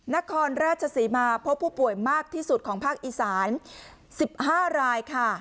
นครราชศรีมาพบผู้ป่วยมากที่สุดของภาคอีสาน๑๕รายค่ะ